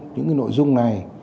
những nội dung này